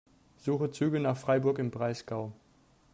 Suche Züge nach Freiburg im Breisgau.